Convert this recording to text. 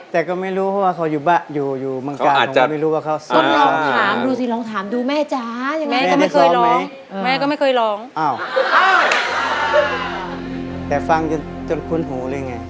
แต่ฟังจนคุ้นหูเรื่องไรไง